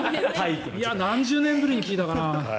何十年ぶりに聞いたな。